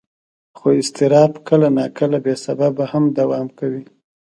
خو اضطراب کله ناکله بې سببه هم دوام کوي.